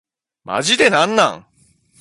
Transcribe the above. マジでなんなん